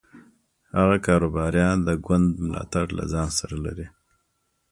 هغه کاروباریان د ګوند ملاتړ له ځان سره لري.